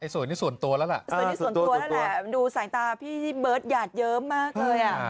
สวยนี่ส่วนตัวแล้วล่ะสวยนี่ส่วนตัวแล้วแหละดูสายตาพี่ที่เบิร์ตหยาดเยิ้มมากเลยอ่ะ